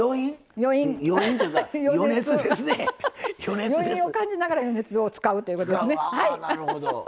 余韻を感じながら余熱を使うってことですね。